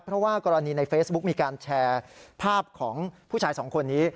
เพราะว่ากรณีในเฟซบุ๊กมีการแชร์ภาพของผู้ชายสองคนนี้